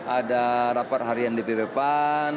ada rapat harian di bppan